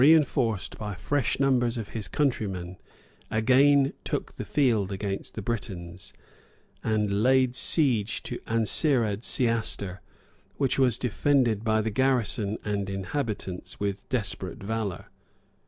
Wigron] But Ælla, reénforced by fresh numbers of his countrymen, again took the field against the Britons; and laid siege to Ancired Ceaster, which was defended by the garrison and inhabitants with desperate valor.